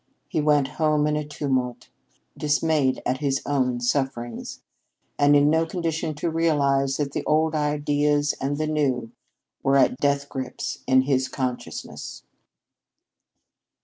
He went home in a tumult, dismayed at his own sufferings, and in no condition to realize that the old ideas and the new were at death grips in his consciousness.